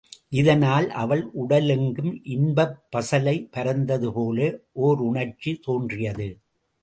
இதனால் அவள் உடலெங்கும் இன்பப் பசலை பரந்ததுபோல ஓருணர்ச்சி தோன்றியது.